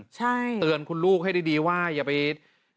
ใช่เตือนคุณลูกให้ดีว่าอย่าไป